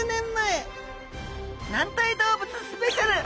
軟体動物スペシャル！